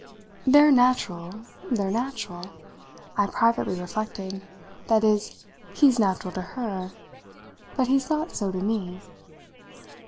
"They're natural, they're natural," I privately reflected; "that is, he's natural to her, but he's not so to me."